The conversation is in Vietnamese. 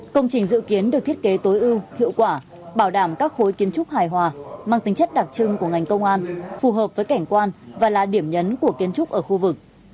công trình dự kiến được thiết kế tối ưu hiệu quả bảo đảm các khối kiến trúc hài hòa mang tính chất đặc trưng của ngành công an phù hợp với cảnh quan và là điểm nhấn của kiến trúc ở khu vực